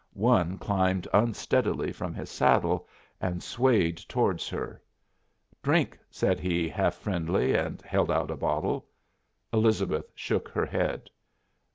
One climbed unsteadily from his saddle and swayed towards her. "Drink!" said he, half friendly, and held out a bottle. Elizabeth shook her head.